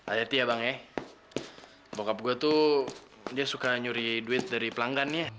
it ya bang ya bokap gue tuh dia suka nyuri duit dari pelanggannya